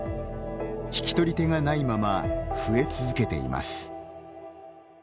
引き取り手がないまま増え続けています。